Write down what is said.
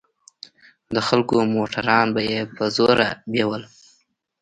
د خلکو موټران به يې په زوره بيول.